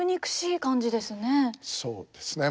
そうですね。